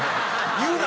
言うな！